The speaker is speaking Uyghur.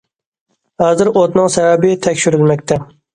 ھازىر ئوتنىڭ سەۋەبى تەكشۈرۈلمەكتە.